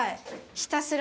ひたすら。